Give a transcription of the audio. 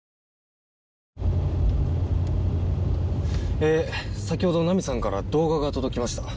えー先ほどナミさんから動画が届きました。